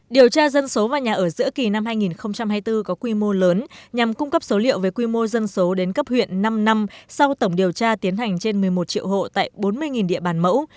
điều tra dân số và nhà ở giữa kỳ năm hai nghìn hai mươi bốn có quy mô lớn nhằm cung cấp số liệu về quy mô dân số đến cấp huyện năm năm sau tổng điều tra tiến hành trên một mươi một triệu hộ tại bốn mươi địa bàn mẫu